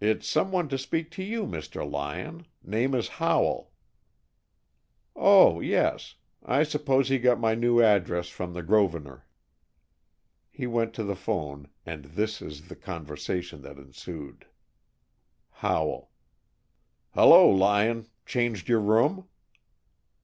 "It's someone to speak to you, Mr. Lyon, name is Howell." "Oh, yes. I suppose he got my new address from the Grosvenor." He went to the phone, and this is the conversation that ensued. Howell: "Hello, Lyon. Changed your room?"